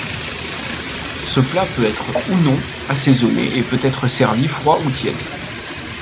Ce plat peut être ou non assaisonné et peut être servi froid ou tiède.